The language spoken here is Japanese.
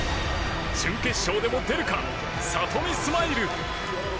準決勝でも出るか聡美スマイル。